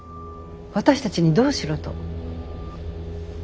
私たちにどうしろと？